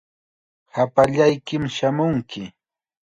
Hapallaykim shamunki.